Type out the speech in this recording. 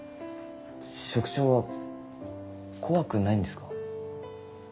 職長は怖くないんですか？